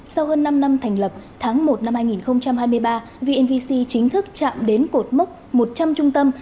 sau hơn năm năm thành lập tháng một năm hai nghìn hai mươi ba vnvc chính thức chạm đến cột mốc một trăm linh trung tâm